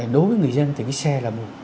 đối với người dân thì cái xe là